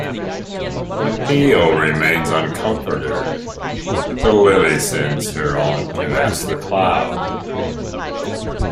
When Thel remains uncomforted, the Lily sends her on to ask the Cloud.